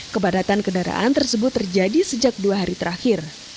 kepadatan kendaraan tersebut terjadi sejak dua hari terakhir